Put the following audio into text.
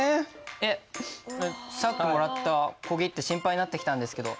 えっさっきもらった小切手心配になってきたんですけど。